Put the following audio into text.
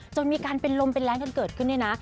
จนมีการเป็นลมเป็นแรงกันเกิดขึ้นเนี่ยนะ